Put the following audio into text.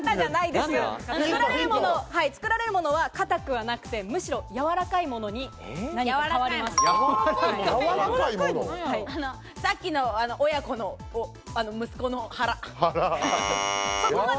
作られるものは硬くはなくて、むしろやわらかいものにさっきの親子の息子の腹。